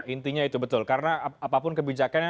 intinya itu betul karena apapun kebijakannya